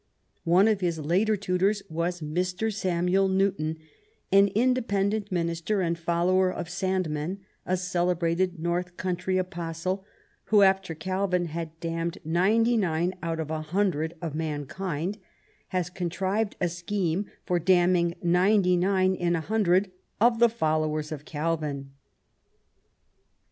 One of his later tutors was Mr. Samuel Newton, an Independent minister and a follower of Sandeman, '^ a celebrated north country apostle, who, after Calvin had damned ninety nine out of a hundred of mankind, has contrived a scheme for damning ninety nine in a hundred of the followers of Calvin.